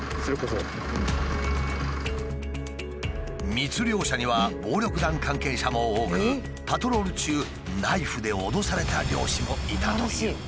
密漁者には暴力団関係者も多くパトロール中ナイフで脅された漁師もいたという。